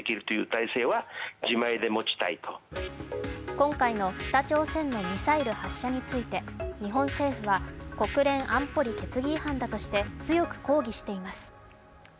今回の北朝鮮のミサイル発射について日本政府は国連安保理決議違反として強く抗議しています。